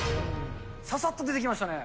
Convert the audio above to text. ささっと出てきましたね。